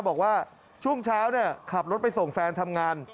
บอกว่าช่วงเช้าขับรถไปส่งแฟนทำงาน